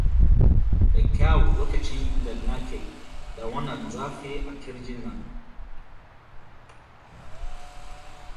da kyau lokacin da nake da wannan zafi a kirji na